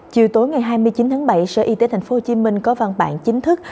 chiều tối ngày hai mươi chín tháng bảy sở y tế tp hcm có văn bản chính thức